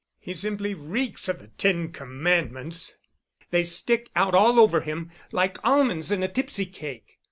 He simply reeks of the ten commandments: they stick out all over him, like almonds in a tipsy cake."